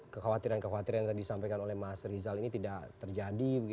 kekhawatiran kekhawatiran yang tadi disampaikan oleh mas rizal ini tidak terjadi